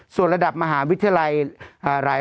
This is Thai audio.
ส่วนระดับมหาวิทยาลัย